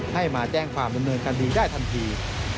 ให้มาแจ้งความดำเนินคดีได้ทันที